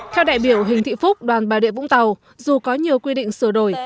cho đại biểu hình thị phúc đoàn bà địa vũng tàu dù có nhiều quy định sửa đổi